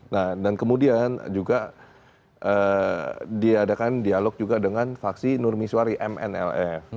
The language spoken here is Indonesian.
nah dan kemudian juga diadakan dialog juga dengan vaksi nurmiswari mnlf